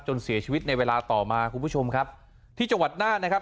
เสียชีวิตในเวลาต่อมาคุณผู้ชมครับที่จังหวัดน่านนะครับ